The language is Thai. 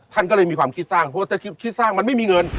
ท่านก็เลยมีความคิดสร้างเพราะว่าถ้าคิดสร้างมันไม่มีเงิน